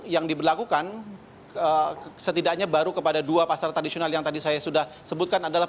yang diberlakukan setidaknya baru kepada dua pasar tradisional yang tadi saya sudah sebutkan adalah